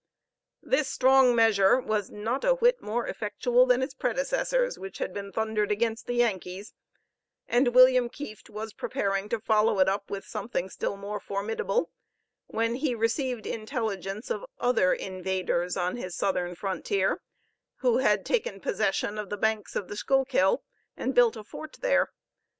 This strong measure was not a whit more effectual than its predecessors which had been thundered against the Yankees, and William Kieft was preparing to follow it up with something still more formidable, when he received intelligence of other invaders on his southern frontier, who had taken possession of the banks of the Schuylkill, and built a fort there.